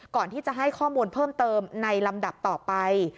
ก่อนที่จะให้ข้อมูลเพิ่มเติมในลำดับต่อไป